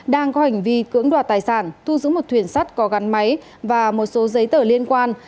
đang có hành vi cưỡng đoạt tài sản thu giữ một thuyền sắt có gắn máy và một số giấy tờ liên quan